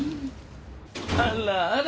あらあら。